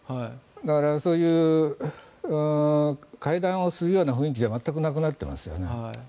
だから、そういう会談をするような雰囲気では全くなくなってますよね。